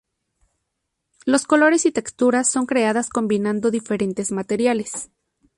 Los colores y texturas son creadas combinando diferentes materiales.